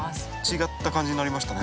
違った感じになりましたね。